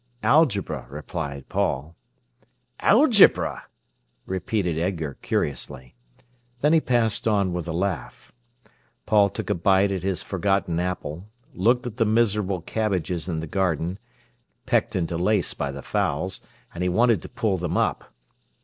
"Algebra," replied Paul. "Algebra!" repeated Edgar curiously. Then he passed on with a laugh. Paul took a bite at his forgotten apple, looked at the miserable cabbages in the garden, pecked into lace by the fowls, and he wanted to pull them up.